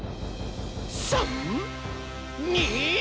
「３！２！」